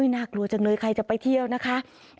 น่ากลัวจังเลยใครจะไปเที่ยวนะคะ